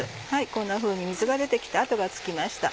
こんなふうに水が出て来て跡がつきました。